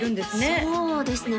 そうですね